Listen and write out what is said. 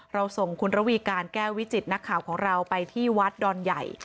เราส่งคุณระวีการแก้ววิจิตนักข่าวของเราไปที่วัดดอนใหญ่